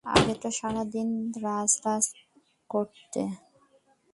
আগে তো সারাদিন রাজ রাজ করতে।